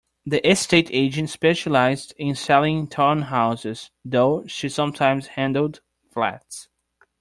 The estate agent specialised in selling townhouses, though she sometimes handled flats